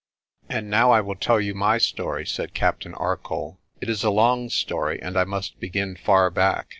"And now I will tell you my story," said Captain Arcoll. "It is a long story, and I must begin far back.